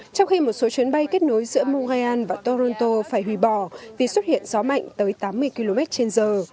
trong khi một số chuyến bay kết nối giữa monian và toronto phải hủy bỏ vì xuất hiện gió mạnh tới tám mươi km trên giờ